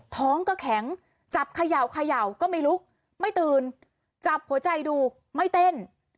ท้องก็แข็งจับเขย่าเขย่าก็ไม่ลุกไม่ตื่นจับหัวใจดูไม่เต้น